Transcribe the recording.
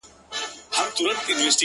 o سري وخت دی؛ ځان له دغه ښاره باسه؛